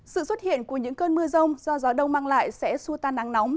sự xuất hiện của những cơn mưa rông do gió đông mang lại sẽ xua tan nắng nóng